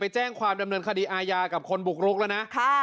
ไปแจ้งความจำเด็นคดีอายากับคนบุกลุกและนะ